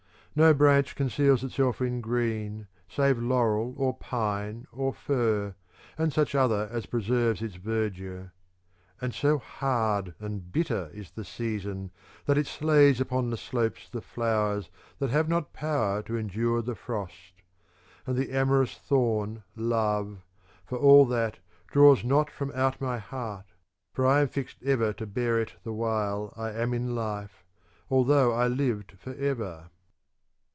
No branch conceals itself in green save laurel or pine or fir and such other as preserves its verdure : And so hard and bitter is the season That it slays upon the slopes the flowers that have not power to endure the frost. And the amorous thorn love, for all that, draws not from out my heart ; for I am fixed ever to bear it the while I am in life, although I lived for ever.